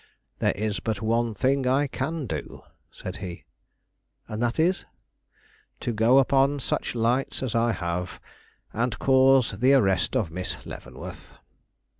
"There is but one thing I can do," said he. "And that is?" "To go upon such lights as I have, and cause the arrest of Miss Leavenworth."